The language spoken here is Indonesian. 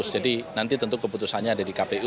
jadi nanti tentu keputusannya ada di kpu